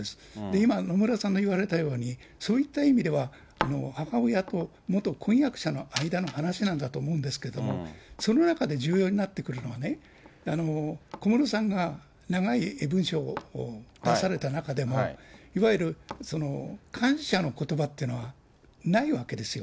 今、野村さんが言われたように、そういった意味では、母親と元婚約者の間の話なんだと思うんですけども、その中で重要になってくるのは、小室さんが長い文書を出された中でも、いわゆる感謝のことばってのはないわけですよ。